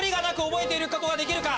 覚えることができるか。